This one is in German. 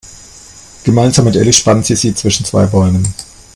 Gemeinsam mit Elli spannt sie sie zwischen zwei Bäumen.